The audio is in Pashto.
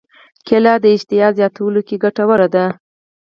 کېله د اشتها زیاتولو کې ګټوره ده.